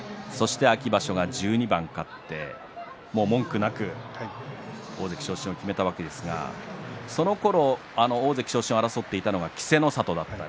秋場所は１２番勝って文句なく大関昇進を決めたわけですがそのころ大関昇進を争っていたのが稀勢の里がいました。